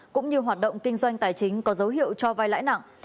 cũng như hoạt động kinh doanh tài chính có dấu hiệu cho vai lãi nặng